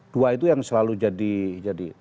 dua itu yang selalu jadi